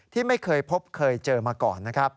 ที่ไม่เคยพบเคยเจอมาก่อน